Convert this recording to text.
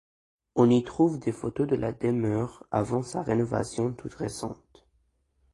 On y trouve des photos de la demeure avant sa rénovation toute récente.